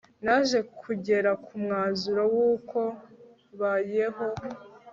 naje kugera ku mwanzuro w uko ,bayeho